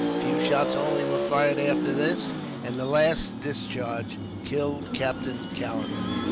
A few shots only were fired after this, and the last discharge killed Captain Callender.